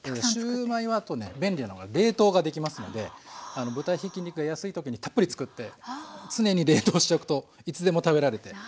シューマイはあとね便利なのが冷凍ができますので豚ひき肉が安い時にたっぷりつくって常に冷凍しておくといつでも食べられて。